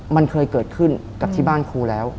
มันเคยเกิดขึ้นกับที่บ้านครูแล้ว